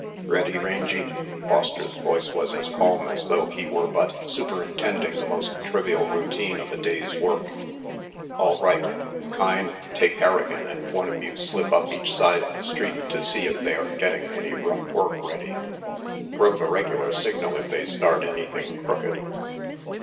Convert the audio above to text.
"Ready, Rangy?" Foster's voice was as calm as though he were but superintending the most trivial routine of a day's work. "All right. Kyne, take Harrigan, and one of you slip up reach side of the street to see if they are getting any rough work ready. Throw the regular signal if they start ^anything crooked."